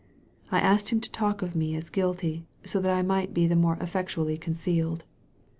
I asked him to talk of me as guilty, so that I might be the more effectually concealed."